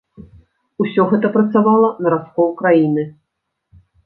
Усё гэта працавала на раскол краіны.